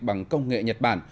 bằng công nghệ nhật bản